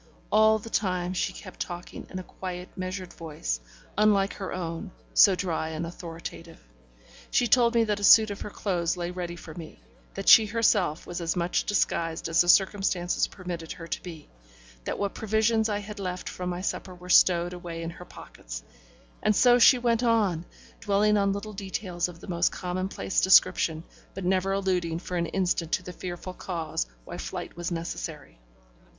All the time she kept talking in a quiet, measured voice, unlike her own, so dry and authoritative; she told me that a suit of her clothes lay ready for me, that she herself was as much disguised as the circumstances permitted her to be, that what provisions I had left from my supper were stowed away in her pockets, and so she went on, dwelling on little details of the most commonplace description, but never alluding for an instant to the fearful cause why flight was necessary.